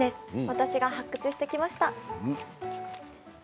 私が発掘してきました。